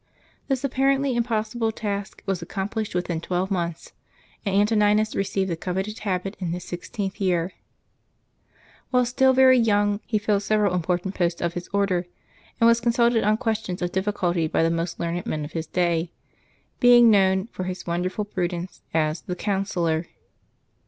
This apparently impossible task was ac complished within twelve months ; and Antoninus received the coveted habit in his sixteenth year. While still very young, he filled several important posts of his Order, and was consulted on questions of difficulty by the most learned men of his day; being known, for his wonderful prudence, as " the Counsellor."